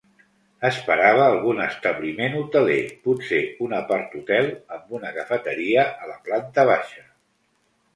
Esperava algun establiment hoteler, potser un aparthotel amb una cafeteria a la planta baixa.